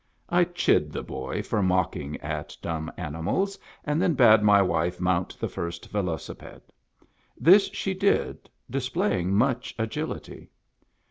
I chid the boy for mocking at dumb animals, and then bade my wife mount the first velocipede. This she did, displaying much agility.